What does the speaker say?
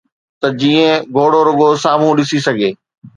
ته جيئن گهوڙو رڳو سامهون ڏسي سگهي.